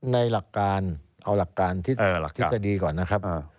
ในหลักการเอาหลักการที่จะดีก่อนนะครับ